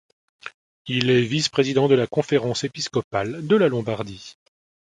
Il est vice-président de la Conférence épiscopale de la Lombardie.